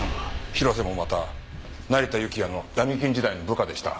広瀬もまた成田幸也の闇金時代の部下でした。